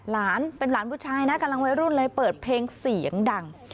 หลานเป็นหลานผู้ชายนะกำลังวัยรุ่นเลยเปิดเพลงเสียงดัง